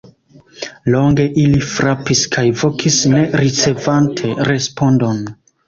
Longe ili frapis kaj vokis, ne ricevante respondon.